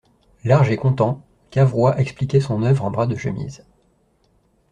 Large et content, Cavrois expliquait son œuvre en bras de chemise.